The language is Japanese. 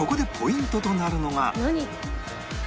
何？